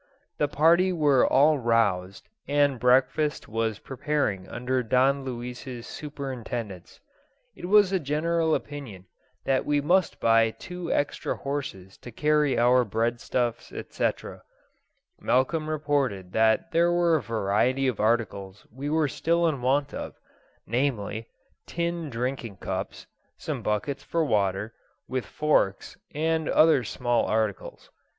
The party were all roused, and breakfast was preparing under Don Luis's superintendence. It was the general opinion that we must buy two extra horses to carry our breadstuffs, etc. Malcolm reported that there were a variety of articles we were still in want of; namely, tin drinking cups, some buckets for water, with forks, and other small articles.